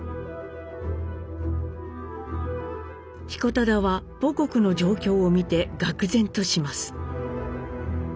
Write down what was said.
彦忠は母国の状況を見てがく然とします。